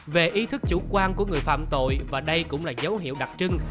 về ý thức chủ quan của người phạm tội và đây cũng là dấu hiệu đặc trưng